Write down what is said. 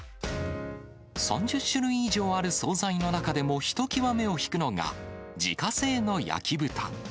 ３０種類以上ある総菜の中でも、ひときわ目を引くのが、自家製の焼き豚。